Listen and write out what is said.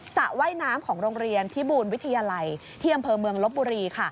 ระว่ายน้ำของโรงเรียนพิบูรวิทยาลัยที่อำเภอเมืองลบบุรี